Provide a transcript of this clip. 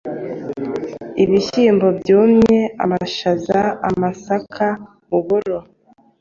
ibishyimbo byumye, amashaza, amasaka, uburo.